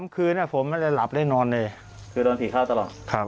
๓คืนน่ะผมก็ได้หลับแล้วนอนเลย